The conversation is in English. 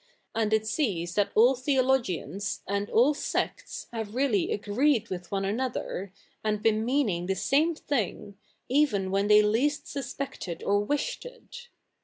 id it sees that all theologians atid all sects have really agreed with o?ie another, a?id beeji meaning the same thing, even when they least suspected or ivished it.